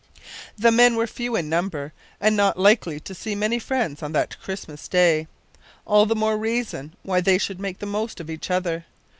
The men were few in number and not likely to see many friends on that Christmas day. All the more reason why they should make the most of each other!